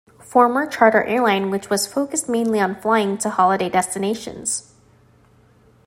Former charter airline which was focused mainly on flying to holiday destinations.